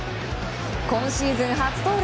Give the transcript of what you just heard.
今シーズン初盗塁。